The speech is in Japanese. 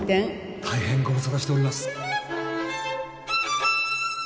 大変ご無沙汰しております